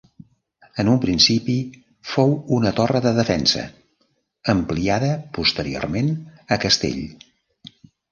En un principi fou una torre de defensa, ampliada posteriorment a castell.